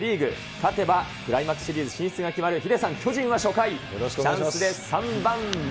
勝てばクライマックスシリーズ進出が決まる、ヒデさん、巨人は初回、チャンスで３番丸。